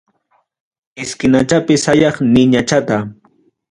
Esquinachapi sayaq niñachata.